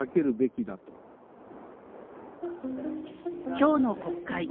今日の国会。